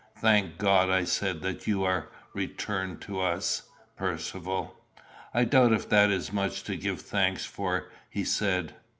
"Thank God," I said, "that you are returned to us, Percivale." "I doubt if that is much to give thanks for," he said.